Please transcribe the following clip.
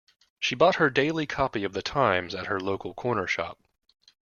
She bought her daily copy of The Times at her local corner shop